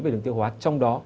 về đường tiêu hóa trong đó